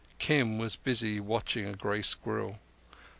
Kim was busy watching a grey squirrel.